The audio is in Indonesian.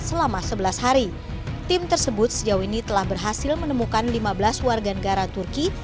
selama sebelas hari tim tersebut sejauh ini telah berhasil menemukan lima belas warga negara turki